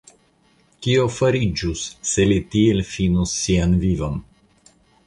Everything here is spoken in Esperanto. Kio fariĝus, se li tiel finus sian vivon!